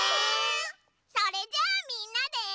それじゃあみんなで。